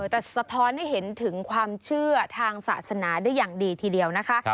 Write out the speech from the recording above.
แต่สะท้อนให้เห็นถึงความเชื่อทางศาสนาได้อย่างดีทีเดียวนะคะ